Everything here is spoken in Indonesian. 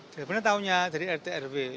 sebenarnya tahunya dari rtrw